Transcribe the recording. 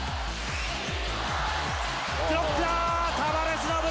ブロック。